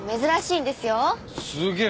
すげえ